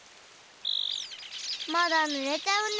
まだぬれちゃうね。